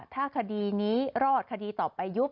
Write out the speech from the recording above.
ถ้าคดีนี้รอดคดีต่อไปยุบ